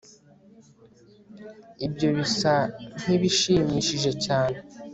ibyo bisa nkibishimishije cyane